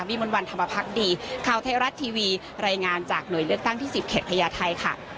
มนต์วันธรรมพักดีข่าวไทยรัฐทีวีรายงานจากหน่วยเลือกตั้งที่๑๐เขตพญาไทยค่ะ